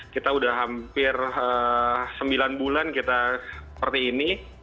kita sudah hampir sembilan bulan kita seperti ini